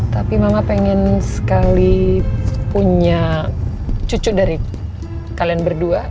tapi mama pengen sekali punya cucu dari kalian berdua